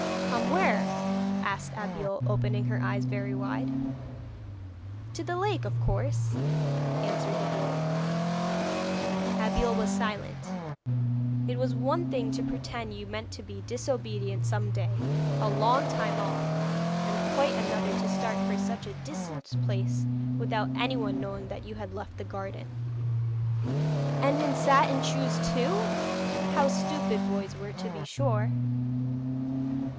'Come where?' asked Abeille, opening her eyes very wide. 'To the lake, of course,' answered the boy. Abeille was silent. It was one thing to pretend you meant to be disobedient some day, a long time off, and quite another to start for such a distant place without anyone knowing that you had left the garden. 'And in satin shoes, too! How stupid boys were to be sure.'